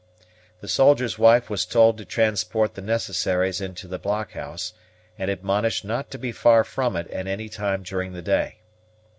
The soldier's wife was told to transport the necessaries into the blockhouse, and admonished not to be far from it at any time during the day.